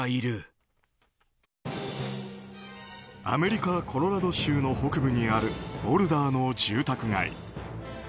アメリカ・コロラド州の北部にあるボルダーの住宅街。